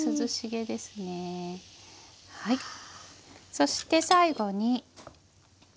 そして最後に。